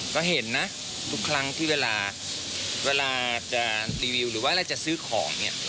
ไม่ค่ะคนอื่นก็อาจจะลอง